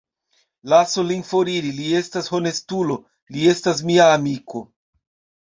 Lasu lin foriri; li estas honestulo; li estas mia amiko!